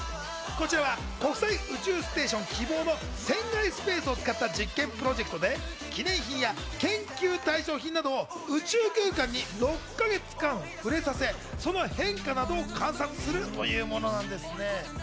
こちらは国際宇宙ステーション・きぼうの船外スペースを使った実験プロジェクトで、記念品や研究対象品などを宇宙空間に６か月間触れさせ、その変化などを観察するというものなんですね。